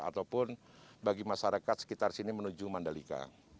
ataupun bagi masyarakat sekitar sini menuju mandalika